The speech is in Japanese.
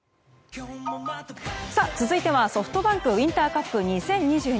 続いてはＳｏｆｔＢａｎｋウインターカップ２０２２。